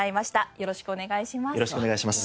よろしくお願いします。